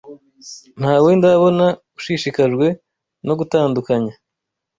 ntawe ndabona ushishikajwe no gutandukanya